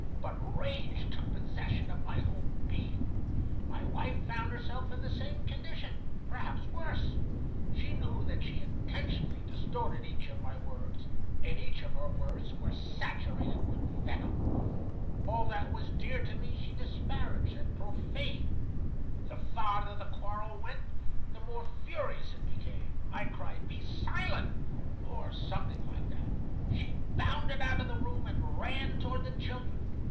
But rage took possession of my whole being. My wife found herself in the same condition, perhaps worse. She knew that she intentionally distorted each of my words, and each of her words was saturated with venom. All that was dear to me she disparaged and profaned. The farther the quarrel went, the more furious it became. I cried, 'Be silent,' or something like that. "She bounded out of the room and ran toward the children.